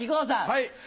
はい。